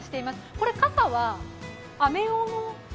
これ、傘は雨用の傘？